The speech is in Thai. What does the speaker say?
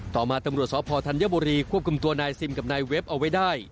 ต่อมาตำรวจสพธัญบุรีควบคุมตัวนายซิมกับนายเว็บเอาไว้ได้